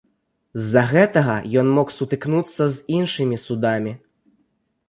З-за гэтага ён мог сутыкнуцца з іншымі судамі.